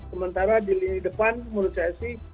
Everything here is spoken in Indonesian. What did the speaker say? sementara di lini depan menurut saya sih